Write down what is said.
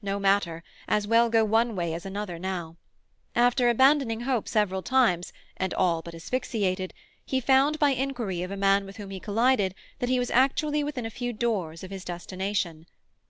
No matter; as well go one way as another now. After abandoning hope several times, and all but asphyxiated, he found by inquiry of a man with whom he collided that he was actually within a few doors of his destination.